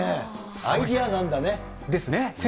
アイデアなんだね。